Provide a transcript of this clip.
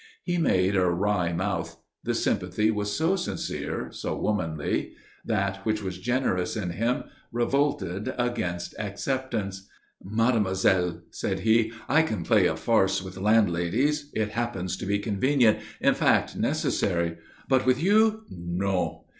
He made a wry mouth. The sympathy was so sincere, so womanly. That which was generous in him revolted against acceptance. "Mademoiselle," said he, "I can play a farce with landladies it happens to be convenient in fact, necessary. But with you no.